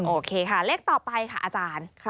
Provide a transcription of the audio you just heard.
โอเคค่ะเลขต่อไปค่ะอาจารย์